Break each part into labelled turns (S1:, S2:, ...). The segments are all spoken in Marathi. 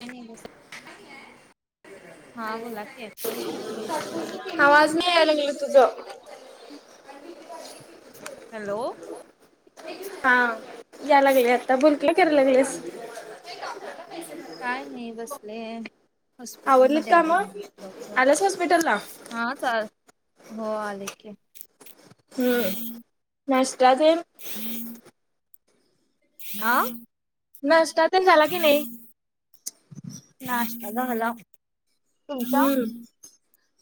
S1: काय नाही बस हा बोला की
S2: [unintelligible]
S1: हॅलो
S2: हा यायला लागले आता बोल की काय करायला लागलेस
S1: काय नाही बसले हॉस्पिटल
S2: आवरलीत
S1: मध्ये
S2: काम
S1: आले
S2: आलास हॉस्पिटलला
S1: हा हो आले की
S2: हम्म नष्ट ते [unintelligible]
S1: हम्म [unintelligible] हा हम्
S2: नाश्ता ते झाला की नाही
S1: [unintelligible] नाश्ता झाला तुमचा
S2: हम्म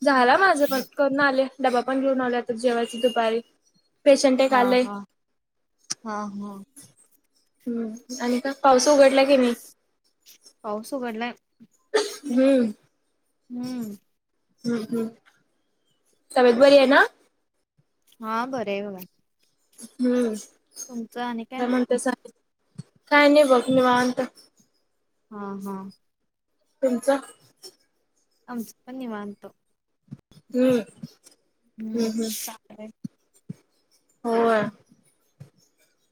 S2: झाला माझं पण करून आले डबा पण घेऊन आलो आता जेवायची दुपारी पेशंट एक
S1: हा
S2: आलंय
S1: हा हा हा
S2: ह् आणि का पावस उघडला की नाही
S1: पावसो घडला
S2: हम्म
S1: हम्म
S2: ह् ह् तबेत बरी आहे ना
S1: हा बरं आहे
S2: हम्म
S1: तुमचं आणि
S2: काय म्हणत सग काय नाही बघ म वात
S1: हा, हा.
S2: तुमचं
S1: आमचं पण निवांत.
S2: हम्म
S1: हम्म [unintelligible]
S2: होय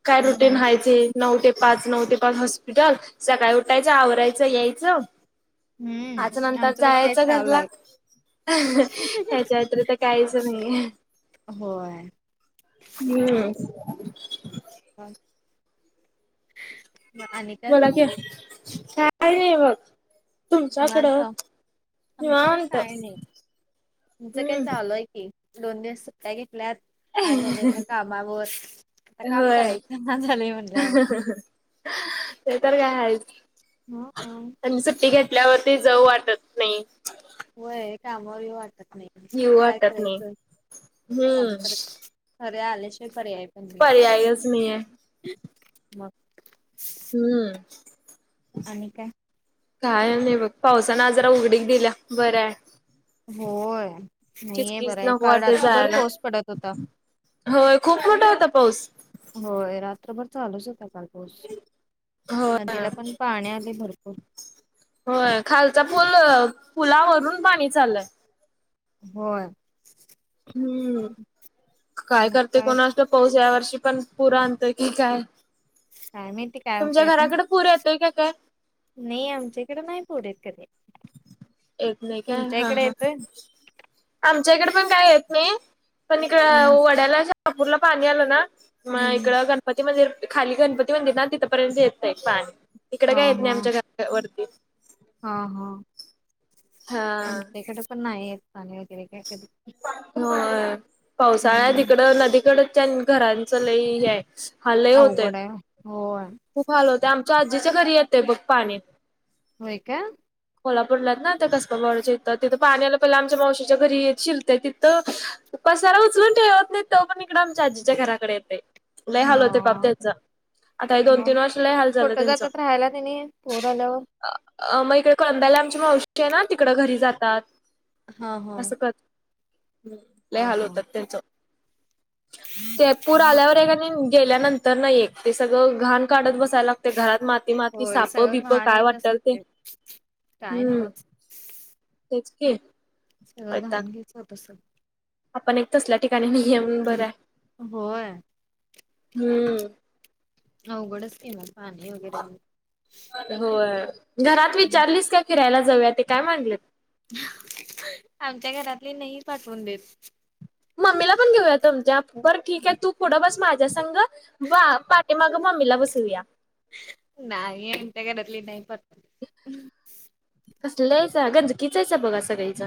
S2: काय
S1: मग
S2: रुटीन
S1: आणि काय
S2: हायच हे नऊ ते पाच नऊ ते पाच हॉस्पिटल सकाळी उठायचं आवरायचं यायचं आज
S1: हम्म
S2: नंतर
S1: आमचं पण तेच
S2: जायच
S1: चालू
S2: घरला
S1: आहे
S2: त्याच्या व्यतिरिक्त तर काहीच नाही
S1: होय
S2: हम्म
S1: हां
S2: बोला की काय नाही बघ
S1: निवांत
S2: तुमच्याकडं
S1: आमच्याकडे
S2: निवांत
S1: काही नाही तुमचं काही
S2: हम्म
S1: चालू आहे दोन दिवस सुट्या घेतल्यात. आज आलोय त्या कामावर, आता काम
S2: होय
S1: करायचं ना झालंय म्हणल्यावर.
S2: ते तर काय हायच
S1: हम्म
S2: त्यांनी सुट्टी ल्यावरती जाऊ वाटत नाय.
S1: होय कामावर येऊ वाटत नाय
S2: येऊ
S1: काय
S2: वाटत नाही
S1: करायचं काम
S2: हम्म
S1: तर अरे आलेश्वा पर्याय पण मी
S2: पर्यायच नाहीये
S1: मग
S2: हम्
S1: आणि काय
S2: काय नाही बघ पावसान आजारा उघडीक दिल्या बऱ्या आहे
S1: होय नाहीये
S2: चिचकीच
S1: बरं आहे
S2: नको
S1: काल
S2: वाटते
S1: रात्रभर
S2: जायला.
S1: पाोस पडत होता
S2: होय खूप मोठा होता पाऊस
S1: होय रात्रभर चालूच होता चाल
S2: होय
S1: नदीला पण पाणी आले भरपूर
S2: होय खालचा पूल पुलावरून पाणी चाललंय
S1: हो
S2: हम्म काय करते कोणा असल पाऊस या वर्षी पण पुूर आणत की काय
S1: साम त
S2: तुमच्या घराकडें पूर येतय काय
S1: नाही आमच्या इकडें नाही पुढ कधी
S2: येत नाही काय
S1: तुमच्या
S2: हा
S1: इकडे
S2: ह
S1: येतोय
S2: आमच्याकडे पण काय येत नाही पण का
S1: हम्म
S2: वड्याला शपूरला पाणी आलं ना म
S1: हम्म
S2: इकड गणपती म्हणे खाली गणपती म्हणेत ना तिथंपर्यंत येत एक पाणी इकडं
S1: हा
S2: काय येत
S1: हा
S2: नाही आमच्या घर वरती
S1: हा हा
S2: हा.
S1: आमच्याकडे पण नाही यले वगैरे काय कधी
S2: ह पावसाळ्यात
S1: हम्म
S2: तिकडं नदीकडच्या घरांच लही आहे हालही होते
S1: अवघड आहे होय
S2: खूप हल होते आमच्या आजीच्या घरी येतं बघ पाणी
S1: होय का
S2: कोल्हापूरला ना तर कसं बच इथं तिथं पाणी आलं पहिलं आमच्या मावशी तिथ कसाला उचलून ठेत नाही तो पण इकड आमच्या आजीच्या घराकडे येते तुलाय हालवते बाप
S1: हा
S2: त्याच आता हे दोन
S1: मग
S2: तीन वर्षलाही हाल झालं
S1: कुठं
S2: त्यांचं
S1: जातात राहायला त्यांनी पोर आल्यावर
S2: अ मग इकडे कंदायला आमची मावशी आहे ना तिकडं घरी जातात
S1: हा हा
S2: ल
S1: हा
S2: हल
S1: हा
S2: होतात त्याच ते पूर आल्यावर आहे का नाही गेल्यानंतर नाही एक ते सगळं घाण काढत बसायला ते घरात माती माती
S1: होय
S2: साप
S1: सगळं
S2: बिप
S1: घाण
S2: काय
S1: येत असेल
S2: वाटतल ते
S1: काय नाही
S2: हम्म
S1: होत
S2: तेच कि
S1: सगळं घाून घ्याचं होत सगळं
S2: आपण एक तसल्या ठिकाणी नाही ये बरं आहे
S1: होय
S2: हम्म
S1: अघड स ना पाणी वगैरे आहे
S2: होय घरात विचारलीस का फिरायला जाऊया ते काय मागलेत
S1: आमच्या घरातली नाही पाठवून देत
S2: मम्मीला पण घेऊया तुमच्या बरं ठीक आहे तू पुढं बस माझ्या संग वा पाठीे मागं ममीला बसू या
S1: नाही इट गडली नाही नाही प
S2: असल्यायच गंजकीिचायचा बघा सगळीचा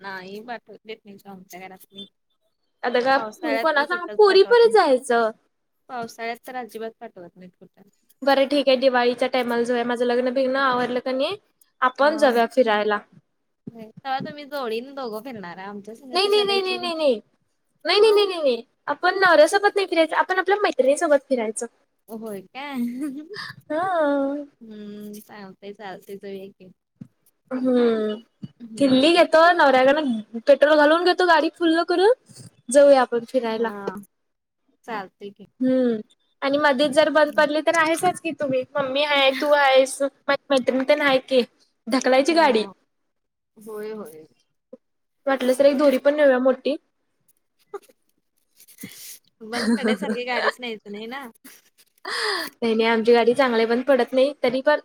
S1: ना ह बाात देेतच्या गरा
S2: आता का
S1: पावसाळ्यात तर
S2: कोणा सांग
S1: कुठच
S2: पोरी
S1: पाठवत
S2: परत
S1: नाही
S2: जायचं
S1: पावसाळ्यात तर अजिबात पाठवत नाही खोट्या
S2: बरं ठीक आहे दिवाळीच्या टामाला जो आहे माझं लग्न भिगन आवरडलं क नाही आपण
S1: हा
S2: जाऊया फिरायला
S1: तेव्हा तुम्ही जोडीन दोघो फिरणार आम
S2: नाही नाही नाही नाही नाही नाही नाही नाही
S1: हा
S2: नाही नाही नाही आपण नवऱ्यासोबत नाही फिरायचं आपण आपल्या मैत्रिणीसोबत फिरायचं
S1: होय काय
S2: हा
S1: हम्म सांगतय चालतेच वक
S2: हम्म दिल्ली
S1: हम्म
S2: घेतो नवऱ्यागड पेट्रोल घालवून घेतो गाडी फुल्ल कर जाऊया आपण फिरायला
S1: हा सलते
S2: हम्म आणि मध्येच जर बंद पडली तर आहेसच की तुम्ही मम्मी आहे तू आहेस माझी मैत्रीण तर आहे की ढकलायची गाडी
S1: हम होय होय
S2: वाटलं तर एक दोरी पण नेऊया मोठी
S1: मंद पड्यासारखी गाडीच नाहीच नाही ना
S2: नाही नाही आमची गाडी चांगल्या पण पडत नाही तरी पण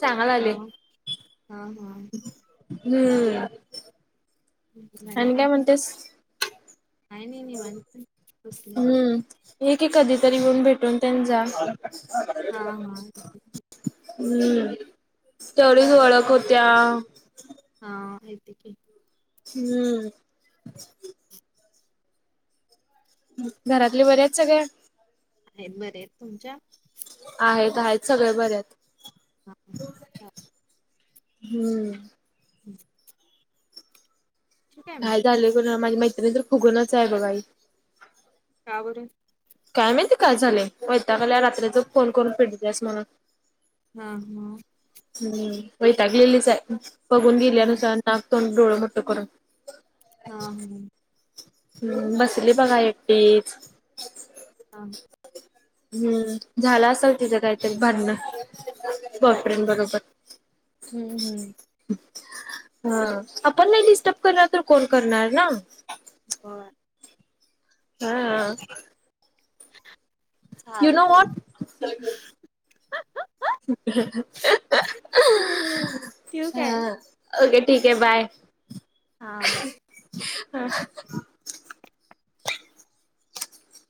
S2: चांग
S1: हा
S2: आले
S1: हा हा
S2: हम्म आणि काय म्हणतेस
S1: काही नाही निवांत बसले
S2: हे की कधीतरी येऊन भेटून त्यां जा
S1: हा हा
S2: हम्म तेवढीच ओळख होत्या
S1: हा यत क
S2: हम्म घरातले बर्याच सगळ्या
S1: आहेत बर आहेत तुमच्या
S2: आहेत आहेत सगळे बर आहेत
S1: हा
S2: हम्म
S1: ह मग
S2: काय झालंय ग माझी माैत्रीणी तरर फुगूनच आहे बघाई
S1: का बरं
S2: काय माहितीय काय झाले वैता काला रात्री जो फोन करून फेटतेस म्हणून
S1: हा हा
S2: हम्म वैतागलेलीच आहे बघून
S1: हम्म
S2: गेल्यानुसार नाग तोडोळ म्हट करून
S1: हा हम्
S2: हम्म बसली बघा एकटीच
S1: हा.
S2: हम्म झाला असाल तिचं काय तरी भांडण बॉपरन बरोबर
S1: हम्म हम्म
S2: हा आपण नाही डिस्टर्ब करणार तर कोल करणार ना
S1: बर
S2: हा हा.
S1: [inaudible]
S2: युनो वाट.
S1: ठेवू काय?
S2: हा. ओके ठीक आहे बाय.
S1: हां बाय
S2: हा.